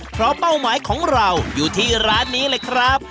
เพราะเป้าหมายของเราอยู่ที่ร้านนี้เลยครับ